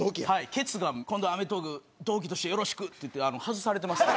ケツが「今度『アメトーーク』同期としてよろしく」って言って外されてますね。